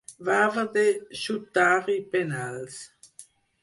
Va haver de xutar-hi penals.